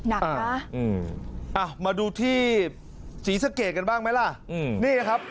หนักฮะอืมอ่ามาดูที่สีสะเกดกันบ้างไหมล่ะอืมนี่นะครับ